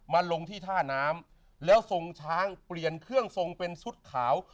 ลงที่ท่าน้ำแล้วทรงช้างเปลี่ยนเครื่องทรงเป็นชุดขาว